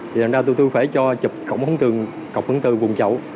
thì làm ra tụi tôi phải cho chụp cổng hóng tường cổng hóng tường vùng chậu